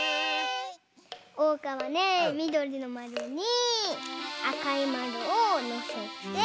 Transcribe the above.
おうかはねみどりのまるにあかいまるをのせて。